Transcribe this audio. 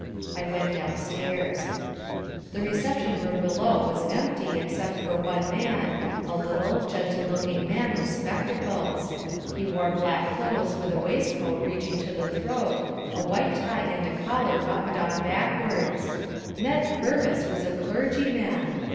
I went downstairs. The reception room below was empty, except for one man, a little, gentle looking man with spectacles. He wore black clothes with a waistcoat reaching to the throat, a white tie and a collar buttoned on backwards. Ned Purvis was a clergyman!